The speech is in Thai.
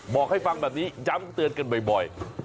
บอกให้ฟังแบบนี้ย้ำเตือนกันบ่อย